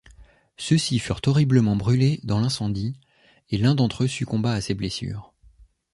Ceux-ci furent horriblement brûlés dans l'incendie et l'un d'entre eux succomba à ses blessures.